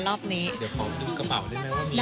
มันก็จะมีข้าวโหม๒ถูกนะคะ